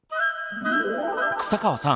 草川さん